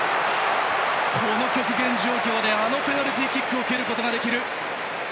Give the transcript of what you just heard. この極限状況であのペナルティーキックを蹴ることができる。